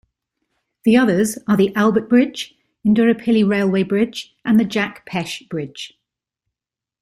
The others are the Albert Bridge, Indooroopilly Railway Bridge, and the Jack Pesch Bridge.